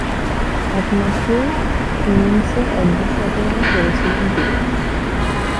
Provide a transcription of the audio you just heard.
একমাত্র ইনিংসে অর্ধ-শতরান করেছিলেন তিনি।